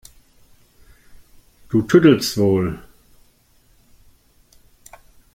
Du tüdelst wohl!